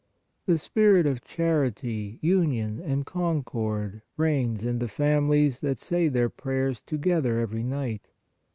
The spirit of char ity, union and concord reigns in the families that say their prayers together every night.